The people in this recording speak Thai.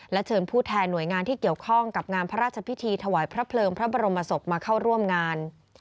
เชิญผู้แทนหน่วยงานที่เกี่ยวข้องกับงานพระราชพิธีถวายพระเพลิงพระบรมศพมาเข้าร่วมงาน